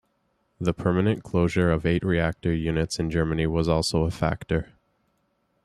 The permanent closure of eight reactor units in Germany was also a factor.